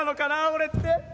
俺って」。